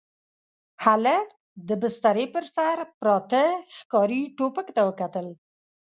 هلک د بسترې پر سر پراته ښکاري ټوپک ته وکتل.